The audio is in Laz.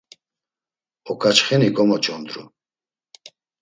Oǩaçxeni gomoç̌ondru.